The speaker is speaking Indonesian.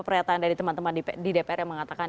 pernyataan dari teman teman di dpr yang mengatakan